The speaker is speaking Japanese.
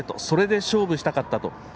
それで勝負したかったと。